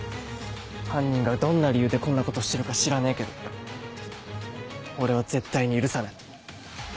犯人がどんな理由でこんなことしてるか知らねえけど俺は絶対に許さない。